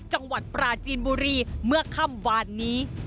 จังหวัดปราจีนบุรีเมื่อค่ำวานนี้